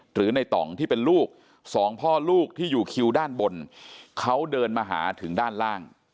หรือในต่องที่เป็นลูกสองพ่อลูกที่อยู่คิวด้านบนเขาเดินมาหาถึงด้านล่าง